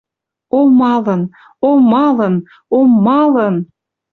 О, малын? О, малын? О, малын?..»